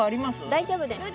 大丈夫です。